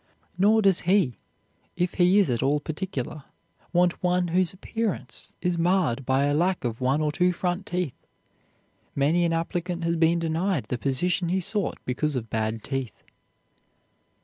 Nor does he, if he is at all particular, want one whose appearance is marred by a lack of one or two front teeth. Many an applicant has been denied the position he sought because of bad teeth.